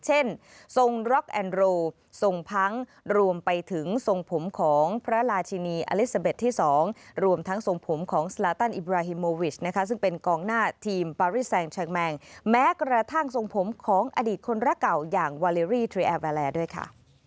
ทรงร็อกแอนโรทรงพังรวมไปถึงทรงผมของพระราชินีอเล็กซาเบ็ดที่๒รวมทั้งทรงผมของสลาตันอิบราฮิโมวิชนะคะซึ่งเป็นกองหน้าทีมปาริแซงเชิงแมงแม้กระทั่งทรงผมของอดีตคนรักเก่าอย่างวาเลรี่ทรีแอร์บาแลนดด้วยค่ะ